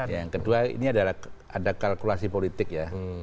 yang kedua ini adalah ada kalkulasi politik ya